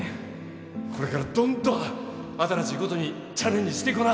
これからどんどん新しいことにチャレンジしていこな。